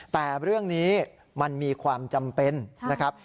แต่เรื่องนี้มันมีความจำเป็นนะครับ